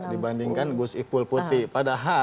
dibandingkan gus iqbal putih